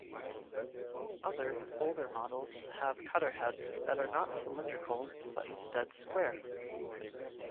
Other, older, models have cutter heads that are not cylindrical but instead square.